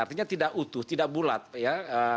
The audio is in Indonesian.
artinya tidak utuh tidak bulat ya